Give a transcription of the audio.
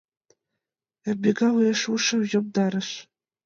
Ямбика уэш ушым йомдарыш...